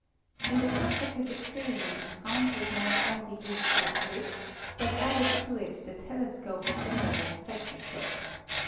In the course of his experiments Fraunhofer not only used the slit, but added to it the telescope of the modern spec troscope.